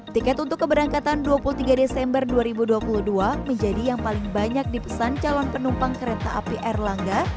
tiket untuk keberangkatan dua puluh tiga desember dua ribu dua puluh dua menjadi yang paling banyak dipesan calon penumpang kereta api erlangga